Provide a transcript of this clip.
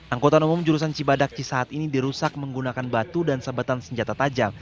angkutan umum jurusan cibadakci saat ini dirusak menggunakan batu dan sebatan senjata tajam